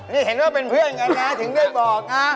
นี่เห็นว่าเป็นเพื่อนกันนะถึงได้บอกนะ